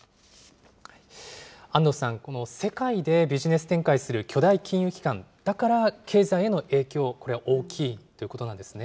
安藤さん、この世界でビジネス展開する巨大金融機関だから、経済への影響、これは大きいということなんですね。